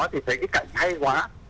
thì thấy cái cảnh hay quá